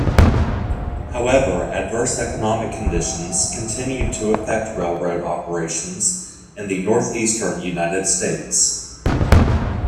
However, adverse economic conditions continued to affect railroad operations in the northeastern United States.